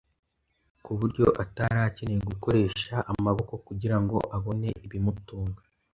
ku buryo atari akeneye gukoresha amaboko kugira ngo abone ibimutunga.